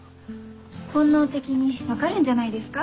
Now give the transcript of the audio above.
本能的に分かるんじゃないですか？